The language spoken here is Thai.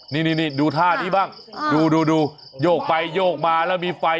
นี่ดูท่านี้บ้างดูโยกไปโยกมาแล้วมีไฟ